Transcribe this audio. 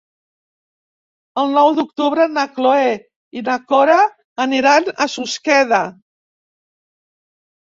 El nou d'octubre na Cloè i na Cora aniran a Susqueda.